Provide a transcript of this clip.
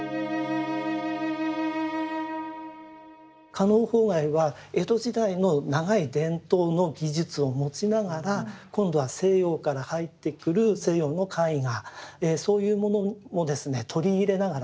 狩野芳崖は江戸時代の長い伝統の技術を持ちながら今度は西洋から入ってくる西洋の絵画そういうものを取り入れながらですね